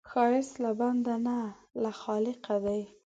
ښایست له بنده نه، له خالقه دی